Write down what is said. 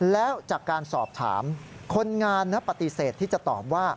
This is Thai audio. แล้วจากการสอบถามคนงานปฏิเสธที่จะตอบว่า